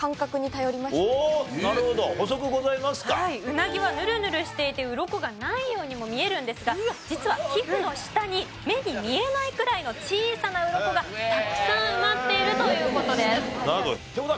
うなぎはヌルヌルしていてウロコがないようにも見えるんですが実は皮膚の下に目に見えないくらいの小さなウロコがたくさん埋まっているという事です。